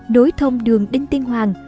đối thông đường đinh tiên hoàng